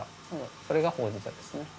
それがほうじ茶ですね。